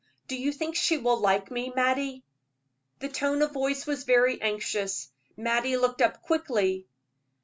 Do you think she will like me, Mattie?" The tone of voice was very anxious. Mattie looked up quickly.